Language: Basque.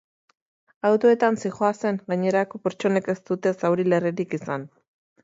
Autoetan zihoazen gainerako pertsonek ez dute zauri larririk izan.